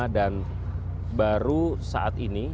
dan baru saat ini